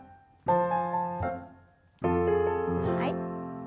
はい。